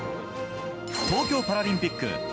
東京パラリンピック